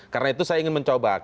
karena itu saya ingin mencoba